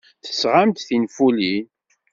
Tesɣam-d tinfulin?